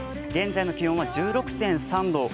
現在の気温は１６．３度。